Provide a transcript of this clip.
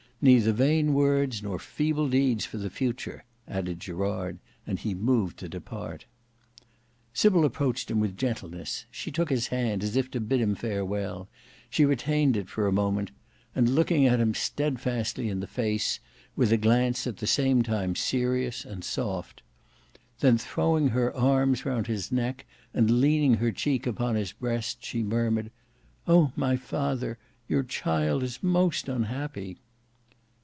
Neither vain words nor feeble deeds for the future," added Gerard, and he moved to depart. Sybil approached him with gentleness; she took his hand as if to bid him farewell; she retained it for a moment, and looked at him steadfastly in the face, with a glance at the same time serious and soft. Then throwing her arms round his neck and leaning her cheek upon his breast, she murmured, "Oh! my father, your child is most unhappy."